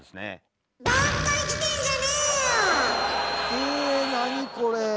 え何これ。